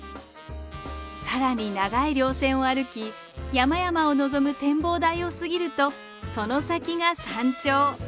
更に長い稜線を歩き山々を望む展望台を過ぎるとその先が山頂。